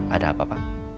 ada apa pak